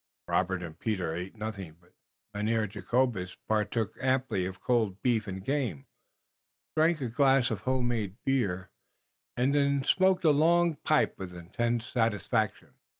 Robert and Peter ate nothing, but Mynheer Jacobus partook amply of cold beef and game, drank a great glass of home made beer, and then smoked a long pipe with intense satisfaction.